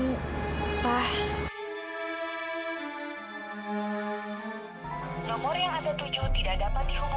nomor yang ada tujuh tidak dapat dihubungi